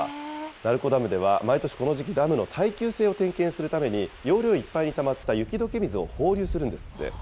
鳴子ダムでは毎年この時期、ダムの耐久性を点検するために容量いっぱいにたまった雪どけ水を放流するんですって。